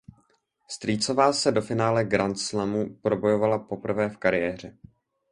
Strýcová se do finále grandslamu probojovala poprvé v kariéře.